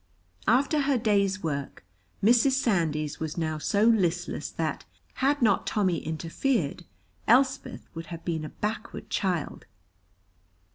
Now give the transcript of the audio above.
After her day's work Mrs. Sandys was now so listless that, had not Tommy interfered, Elspeth would have been a backward child.